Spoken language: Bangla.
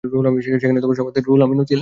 সেখানে সবার সাথে রুহুল আমিনও ছিলেন।